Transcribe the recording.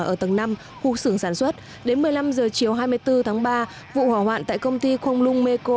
ở tầng năm khu xưởng sản xuất đến một mươi năm h chiều hai mươi bốn tháng ba vụ hỏa hoạn tại công ty không lung meko